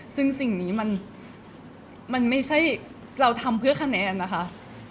ซึ่งสิ่งนี้มันไม่ใช่เราทำเพื่อคะแนนนะคะ